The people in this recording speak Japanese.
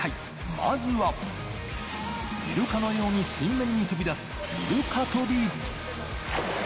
まずはイルカのように水面に飛び出す、イルカ飛び。